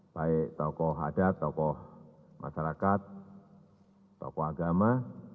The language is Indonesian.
baik tokoh hadat tokoh masyarakat tokoh agama